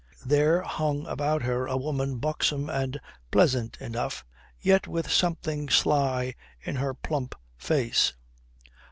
There hung about her a woman buxom and pleasant enough, yet with something sly in her plump face.